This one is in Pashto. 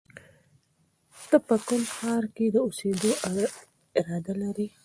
ته په کوم ښار کې د اوسېدو اراده لرې؟